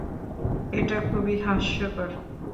এটা খুবই হাস্যকর।